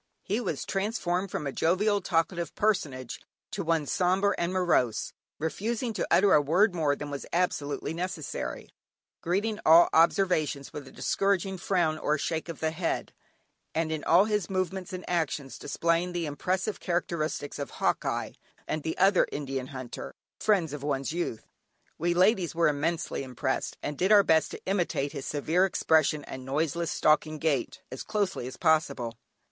He was transformed from a jovial, talkative personage, to one sombre and morose, refusing to utter a word more than was absolutely necessary, greeting all observations with a discouraging frown or a shake of the head, and, in all his movements and actions displaying the impressive characteristics of "Hawkeye," and other Indian Hunter friends of one's youth. We ladies were immensely impressed, and did our best to imitate his severe expression and noiseless, stalking gait, as closely as possible.